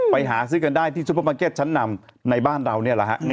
ไปหาซื้อกันได้ที่ซุปเปอร์มาร์เก็ตชั้นนำในบ้านเรานี่แหละฮะ